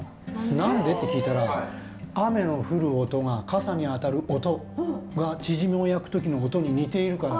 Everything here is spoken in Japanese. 何で？って聞いたら雨の降る音が傘に当たる音がチヂミを焼く時の音に似ているから。